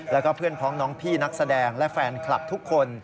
แล้วก็เพื่อนพ้องน้องพี่นักแสดงและแฟนคลับทุกคน